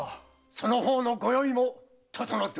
その方のご用意も整ってございます。